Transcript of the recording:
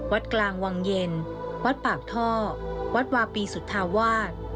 วัดกลางวังเย็นวัดปากท่อวัดวาปีสุธาวาส